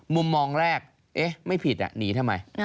มุมมองแรกเอ๊ะไม่ผิดหนีทำไม